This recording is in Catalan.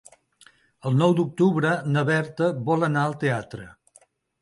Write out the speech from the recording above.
El nou d'octubre na Berta vol anar al teatre.